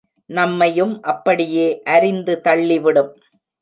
நம்மையும் அப்படியே அரிந்து தள்ளிவிடும்!